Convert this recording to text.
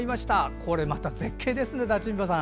これまた絶景ですね、駄賃場さん。